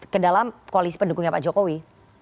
kedalam koalisi pendukungnya pak jokowi